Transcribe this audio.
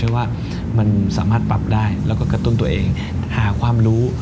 ว่ามันสามารถปรับได้แล้วก็กระตุ้นตัวเองหาความรู้